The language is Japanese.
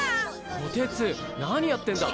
こてつ何やってんだ？